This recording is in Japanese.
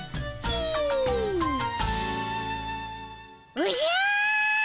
おじゃ！